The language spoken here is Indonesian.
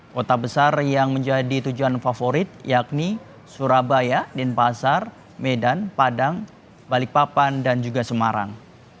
kota besar yang menjadi tujuan favorit yakni surabaya denpasar medan padang balikpapan dan juga semarang